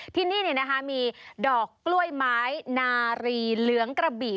ที่นี่มีดอกกล้วยไม้นารีเหลืองกระบี่